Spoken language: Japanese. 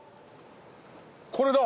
これだ！